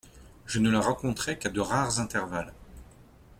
Je ne le rencontrais qu'à de rares intervalles.